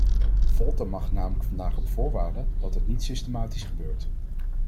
Folter mag namelijk vandaag op voorwaarde dat het niet systematisch gebeurt.